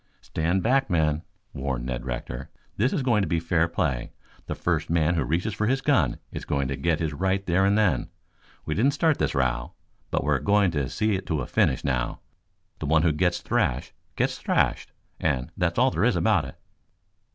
"Stand back, men," warned Ned Rector. "This is going to be fair play. The first man who reaches for his gun is going to get his right there and then. We didn't start this row, but we're going to see it to a finish now. The one who gets thrashed gets thrashed, and that's all there is about it."